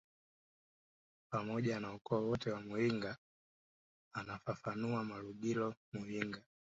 pamoja na ukoo wote wa muyinga anafafanua Malugila Muyinga